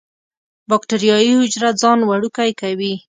باکټریايي حجره ځان وړوکی کوي.